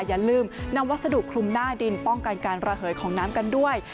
อย่าลืมนำวัสดุคลุมหน้าดินป้องกันการระเหยของน้ำกันด้วย